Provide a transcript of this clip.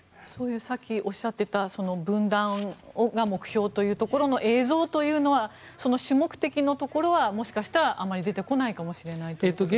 さっきおっしゃっていた分断が目標というところの映像というのは主目的のところはもしかしたらあまり出てこないかもしれないということでしょうか。